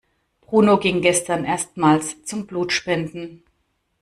Bruno ging gestern erstmals zum Blutspenden.